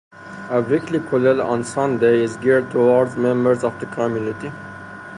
A weekly Kollel on Sunday is geared towards members of the community.